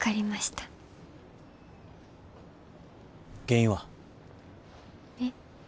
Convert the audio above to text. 原因は？え？